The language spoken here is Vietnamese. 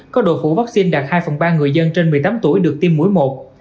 có đội phủ vaccine đạt hai phần ba người dân trên một mươi tám tuổi được tiêm chủng